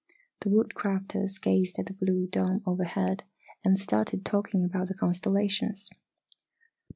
The Woodcrafters gazed at the blue dome overhead, and started talking about the constellations.